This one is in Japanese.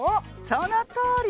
そのとおり！